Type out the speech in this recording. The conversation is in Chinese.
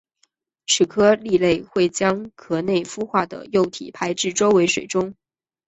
此科蜊类会将壳内孵化的幼体排至周围水中。